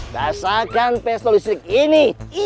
rasakan pesto listrik ini